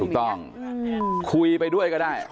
ถูกต้องคุยไปด้วยก็ได้